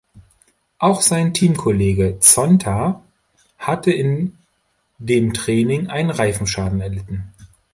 Auch sein Teamkollege Zonta hatte in dem Training einen Reifenschaden erlitten.